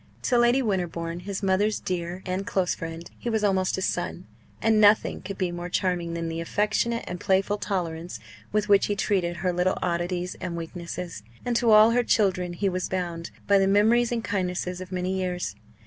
To Lady Winterbourne, his mother's dear and close friend, he was almost a son; and nothing could be more charming than the affectionate and playful tolerance with which he treated her little oddities and weaknesses. And to all her children he was bound by the memories and kindnesses of many years.